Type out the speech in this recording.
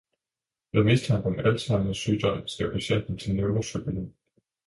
Ved mistanke om Alzheimers sygdom skal patienten til neuropsykolog.